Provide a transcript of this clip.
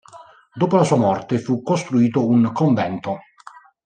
Dopo la sua morte fu costruito un convento.